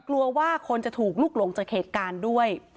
กลัวว่าคนจะถูกลุกหลงจากเหตุการณ์ด้วย